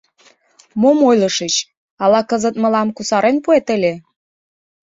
Мом ойлышыч, ала кызыт мылам кусарен пуэт ыле?